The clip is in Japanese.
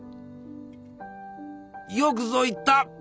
よくぞ言った！